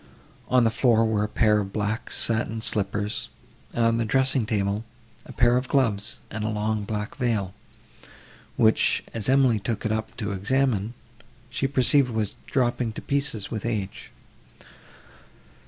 On the floor were a pair of black satin slippers, and, on the dressing table, a pair of gloves and a long black veil, which, as Emily took it up to examine, she perceived was dropping to pieces with age.